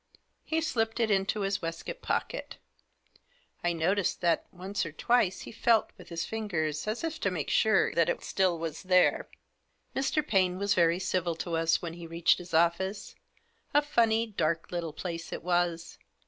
He slipped it into his waistcoat pocket. I noticed that once or twice he felt with his fingers, as if to make sure that it still was there. Mr. Paine was very civil to us when we reached his office — a funny, dark little place it was.